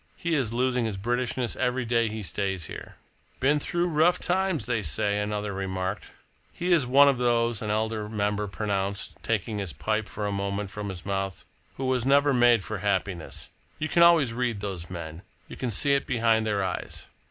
"He is losing his Britishness every day he stays here." "Been through rough times, they say," another remarked. "He is one of those," an elder member pronounced, taking his pipe for a moment from his mouth, "who was never made for happiness. You can always read those men. You can see it behind their eyes."